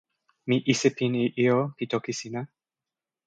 mi isipin e ijo pi toki sina.